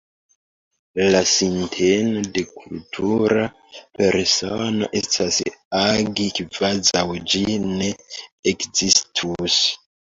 La sinteno de kultura persono estas agi kvazaŭ ĝi ne ekzistus.